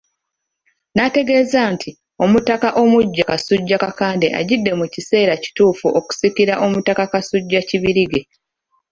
N'ategeeza nti, Omutaka omuggya Kasujja Kakande ajjidde mu kiseera kituufu okusikira Omutaka Kasujja Kibirige.